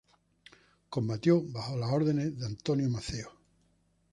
Combatió bajo las órdenes de Antonio Maceo.